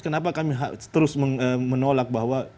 kenapa kami terus menolak bahwa